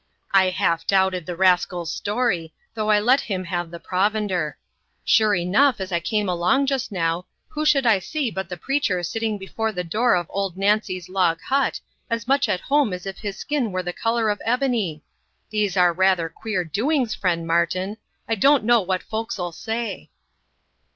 I half doubted the rascal's story, though I let him have the provender. Sure enough, as I came along just now, who should I see but the preacher sitting before the door of old Nancy's log hut, as much at home as if his skin were the colour of ebony. These are rather queer doings, friend Martin; I don't know what folks 'll say."